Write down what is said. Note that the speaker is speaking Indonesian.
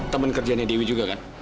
teman kerjanya dewi juga kan